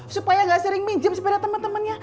supaya gak sering minjem sepeda temen temennya